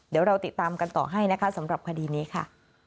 เดี๋ยวเราติดตามกันต่อให้นะคะสำหรับคดีนี้ค่ะ